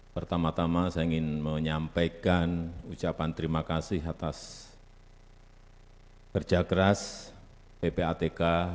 pertama tama saya ingin menyampaikan ucapan terima kasih atas kerja keras ppatk